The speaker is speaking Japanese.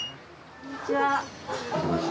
こんにちは。